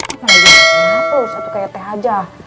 apalagi yang lainnya hapus satu kayak teh aja